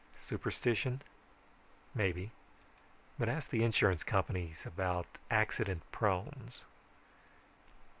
Superstition? Maybe; but ask the insurance companies about accident prones.